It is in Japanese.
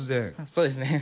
そうですね。